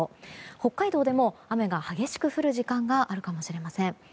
北海道でも雨が激しく降る時間があるかもしれません。